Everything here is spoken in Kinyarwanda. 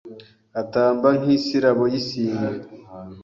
Atamba nk’isirabo y’isine